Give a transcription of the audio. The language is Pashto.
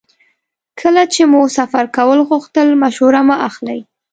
کله چې مو سفر کول غوښتل مشوره مه اخلئ.